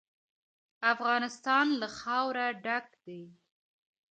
افغانستان له خاوره ډک دی.